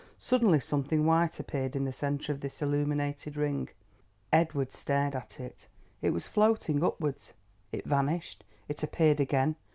Suddenly something white appeared in the centre of this illuminated ring. Edward stared at it. It was floating upwards. It vanished—it appeared again.